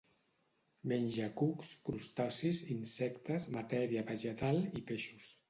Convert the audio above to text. Menja cucs, crustacis, insectes, matèria vegetal i peixos.